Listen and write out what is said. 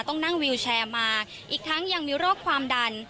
ต้องนั่งวิวแชร์มาอีกทั้งยังมีโรคความดัน